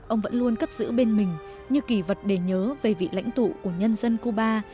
ông vẫn luôn cất giữ bên mình như kỳ vật để nhớ về vị lãnh tụ của nhân dân cuba